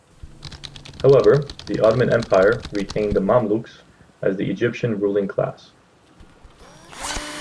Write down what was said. However, the Ottoman Empire retained the Mamluks as the Egyptian ruling class.